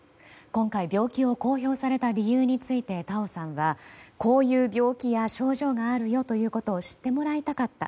今回、病気を公表された理由について田尾さんが、こういう病気や症状があるということを知ってもらいたかった。